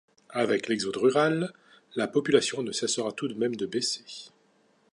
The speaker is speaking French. Avec l'exode rural, la population ne cessera tout de même de baisser.